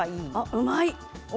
うまい！